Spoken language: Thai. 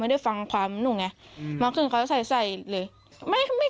ไม่ได้ฟังความนี่ไงงั้นเหมือนเขาใส่ใส่เลยไม่ไม่